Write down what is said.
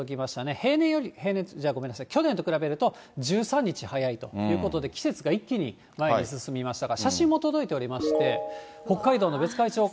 平年より、ごめんなさい、去年と比べると１３日早いということで、季節が一気に前に進みましたが、写真も届いておりまして、これなんですか。